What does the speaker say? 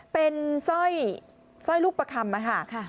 เป็นสร้อยลูกประคำค่ะ